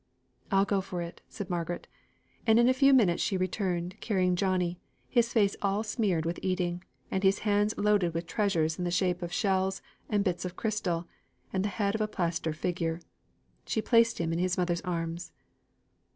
"I'll go for it," said Margaret. And in a few minutes she returned, carrying Johnnie, his face all smeared with eating, and his hands loaded with treasures in the shape of shells, and bits of crystal, and the head of a plaster figure. She placed him on his mother's arms.